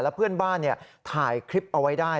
และเพื่อนบ้านเนี่ยถ่ายคลิปเอาไว้ได้